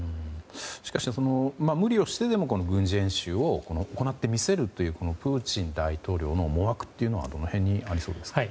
しかし、無理をしてでも軍事演習を行ってみせるというプーチン大統領の思惑というのはどの辺にありそうですか？